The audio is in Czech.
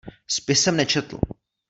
Spis jsem nečetl.